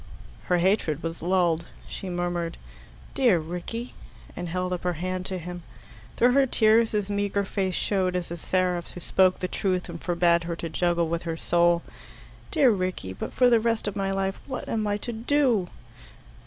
Her hatred was lulled. She murmured, "Dear Rickie!" and held up her hand to him. Through her tears his meagre face showed as a seraph's who spoke the truth and forbade her to juggle with her soul. "Dear Rickie but for the rest of my life what am I to do?"